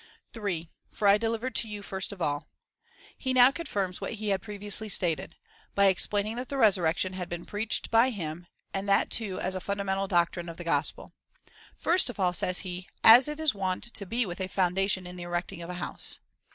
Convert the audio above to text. ^ 3. For I delivered to you first of all. He now confirms what he had previously stated, by explaining that the re surrection had been preached by him, and that too as a fundamental doctrine of the gospel. First of all, says he, as it is wont to be with a foundation in the erecting of a house.